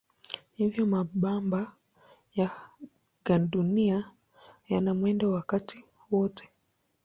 Hivyo mabamba ya gandunia yana mwendo wakati wote.